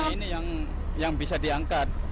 ini yang bisa diangkat